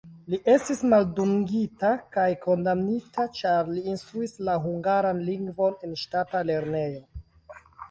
Li estis maldungita kaj kondamnita, ĉar li instruis la hungaran lingvon en ŝtata lernejo.